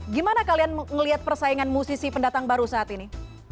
gimana kalian melihat persaingan musisi pendatang baru saat ini